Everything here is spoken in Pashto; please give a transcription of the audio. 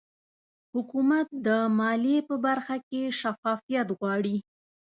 حکومت د مالیې په برخه کې شفافیت غواړي